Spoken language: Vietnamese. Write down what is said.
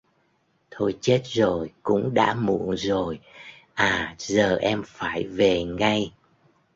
Thôi chết rồi cũng đã muộn rồi à giờ em phải về ngay